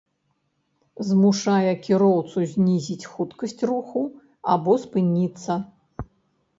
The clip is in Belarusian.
змушае кіроўцу знізіць хуткасць руху або спыніцца